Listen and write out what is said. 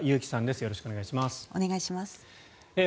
よろしくお願いします。